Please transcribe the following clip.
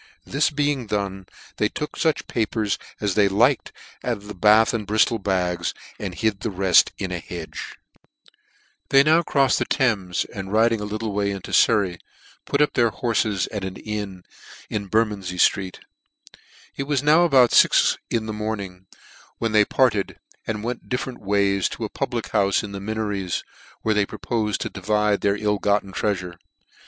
This being done, they took fuch papers as they liked out of the Bath and Briftol bags, and hid the refl in a. hedge. They HAWKINS and SIMPSON /*r Robbery. 28$ They now crofTed the Thames, and riding a little way into Surry, put up their hprfes at an inn in Bermondiey ftreet. It was now about fix in the morning, when they parted, and went dif ferent ways to a public houfe in the Minorits^ where they propo'fed to divide their ill gotten treafure.